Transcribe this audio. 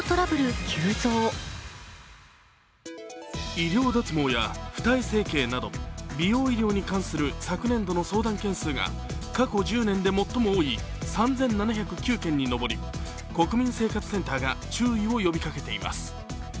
医療脱毛や二重整形など美容医療に関する昨年度の相談件数が過去１０年で最も多い３７０９件に上り国民生活センターが注意を呼びかけています。